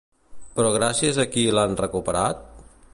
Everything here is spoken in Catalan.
Però gràcies a qui l'han recuperat?